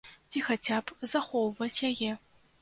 Ці хаця б захоўваць яе.